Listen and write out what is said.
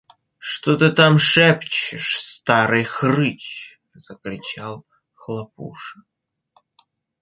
– Что ты там шепчешь, старый хрыч? – закричал Хлопуша.